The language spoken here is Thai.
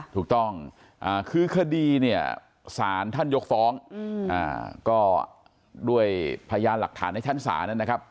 ถูกต้องคือคดีเนี่ยสารท่านยกฟ้องก็ด้วยพยานหลักฐานในชั้นศาลนะครับ